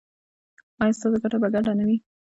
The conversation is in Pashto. ایا ستاسو ګټه به ګډه نه وي؟